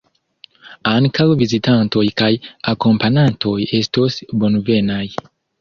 Ankaŭ vizitantoj kaj akompanantoj estos bonvenaj.